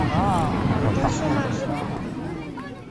Келшымаште!